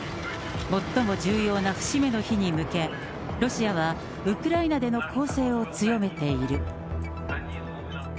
最も重要な節目の日に向け、ロシアはウクライナでの攻勢を強めている。